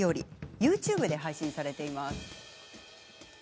ＹｏｕＴｕｂｅで配信されています。